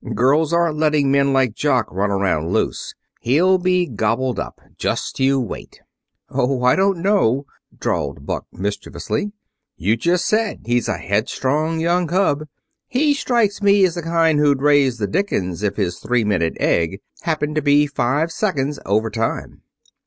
Girls aren't letting men like Jock run around loose. He'll be gobbled up. Just you wait." "Oh, I don't know," drawled Buck mischievously. "You've just said he's a headstrong young cub. He strikes me as the kind who'd raise the dickens if his three minute egg happened to be five seconds overtime."